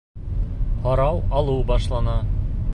Һорау алыу башлана.